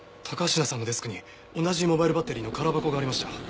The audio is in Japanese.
高階さんのデスクに同じモバイルバッテリーの空箱がありました。